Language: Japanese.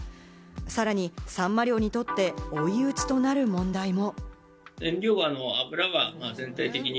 さらにサンマ漁にとって追い打ちとなる問題も。